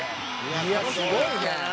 「いやすごいね！」